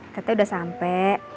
ketek udah sampe